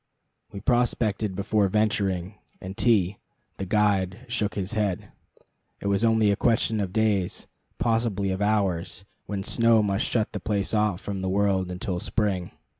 We prospected before venturing, and T , the guide, shook his head. It was only a question of days possibly of hours when snow must shut the place off from the world until spring.